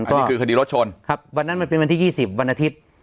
อันนี้คือคดีรถชนครับวันนั้นมันเป็นวันที่๒๐วันอาทิตย์